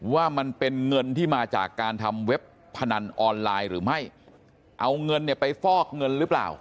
ว่ามันเป็นเงินที่มาจากการทำเว็บพนันออนไลน์หรือไม่เอาเงินเนี่ยไปฟอกเงินหรือเปล่า